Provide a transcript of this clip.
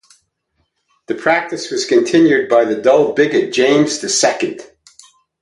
The practice was continued by the dull bigot James the Second.